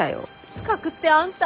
「不覚」ってあんた。